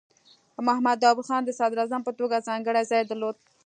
محمد داؤد خان د صدراعظم په توګه ځانګړی ځای درلود.